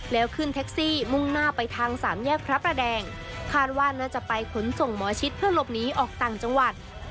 แล้วขึ้นแท็กซี่มุ่งหน้าไปทางสามแยกพระประแดงคาดว่าน่าจะไปขนส่งหมอชิดเพื่อหลบหนีออกต่างจังหวัด